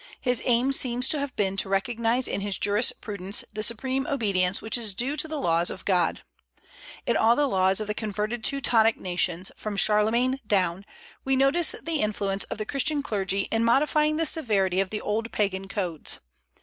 His aim seems to have been to recognize in his jurisprudence the supreme obedience which is due to the laws of God. In all the laws of the converted Teutonic nations, from Charlemagne down, we notice the influence of the Christian clergy in modifying the severity of the old Pagan codes.